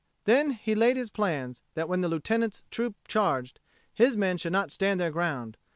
Then he laid his plans that when the Lieutenant's troop charged, his men should not stand their ground.